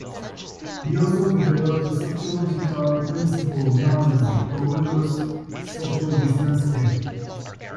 He also developed a sociological principle known as the Bogardus Social Distance Scale.